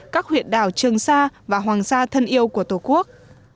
các huyện đảo trường sa và hoàng sa thân yêu của tổ quốc